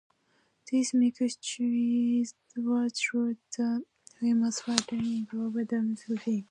This mixture is what leads to the famous patterning of Damascus steel.